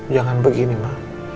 jangan begini ma